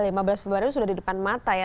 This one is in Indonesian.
lima belas februari sudah di depan mata ya